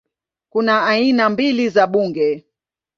Kuna aina mbili za bunge